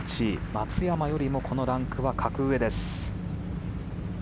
松山よりも、このランクは格上です。